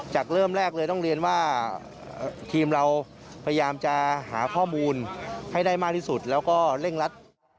เริ่มแรกเลยต้องเรียนว่าทีมเราพยายามจะหาข้อมูลให้ได้มากที่สุดแล้วก็เร่งรัด